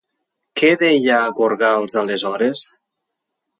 Què deia a Gorgals aleshores?